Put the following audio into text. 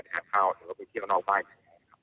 ไปหาข้าวหรือว่าไปเที่ยวนอกไป